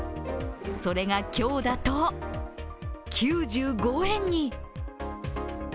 それが今日だと９５円に。